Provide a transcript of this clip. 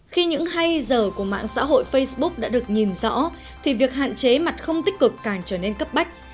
khi những hay giờ của mạng xã hội facebook đã được nhìn rõ thì việc hạn chế mặt không tích cực càng trở nên cấp bách